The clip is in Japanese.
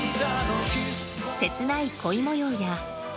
切ない恋模様や。